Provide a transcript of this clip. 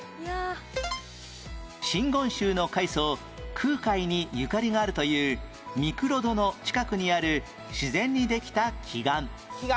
真言宗の開祖空海にゆかりがあるという御厨人窟の近くにある自然にできた奇岩